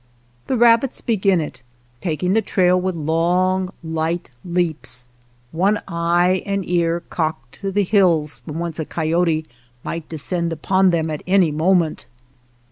The rabbits begin it, taking the trail with long, light leaps, one eye and ear cocked to the hills from whence a coyote might descend upon 33 WATER TRAILS OF THE CERISO /them at any moment.